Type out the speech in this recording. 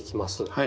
はい。